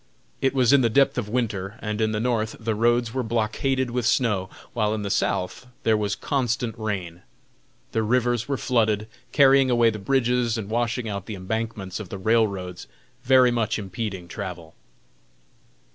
It was in the depth of winter, and in the North the roads were blockaded with snow, while in the South there was constant rain. The rivers were flooded, carrying away the bridges and washing out the embankments of the railroads, very much impeding travel.